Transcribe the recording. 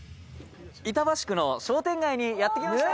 板橋区の商店街にやって来ました！